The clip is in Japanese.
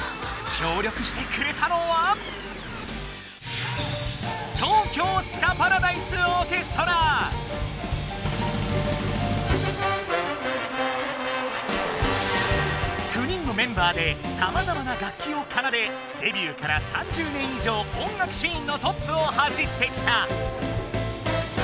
きょうりょくしてくれたのは９人のメンバーでさまざまな楽器を奏でデビューから３０年以上音楽シーンのトップを走ってきた！